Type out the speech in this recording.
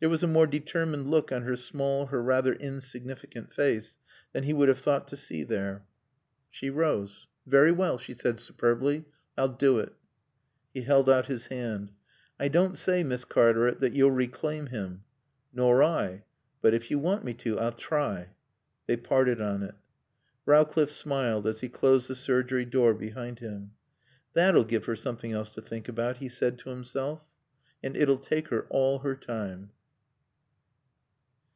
There was a more determined look on her small, her rather insignificant face than he would have thought to see there. She rose. "Very well," she said superbly. "I'll do it." He held out his hand. "I don't say, Miss Cartaret, that you'll reclaim him." "Nor I. But if you want me to, I'll try." They parted on it. Rowcliffe smiled as he closed the surgery door behind him. "That'll give her something else to think about," he said to himself. "And it'll take her all her time."